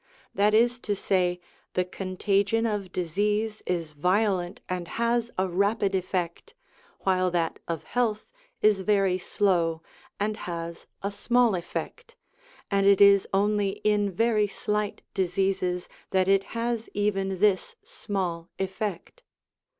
That is to say, the contagion of disease is violent and has a rapid effect, while that of health is very slow and has a small effect, and it is only in very slight diseases that it has even this small effect.